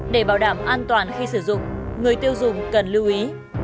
để bảo đảm an toàn khi sử dụng người tiêu dùng cần lưu ý